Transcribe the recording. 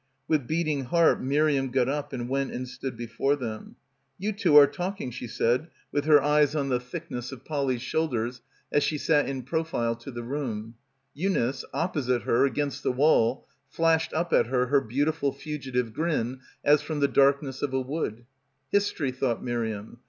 With beating heart Miriam got up and went and stood before them. "You two are talking," she said with her eyes on the thick ness of Polly's shoulders as she sat in profile to 187 PILGRIMAGE the room. Eunice, opposite her, against the wall, flashed up at her her beautiful fugitive grin as from the darkness of a wood. History, thought Miriam.